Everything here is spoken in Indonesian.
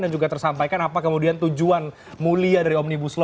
dan juga tersampaikan apa kemudian tujuan mulia dari omnibus law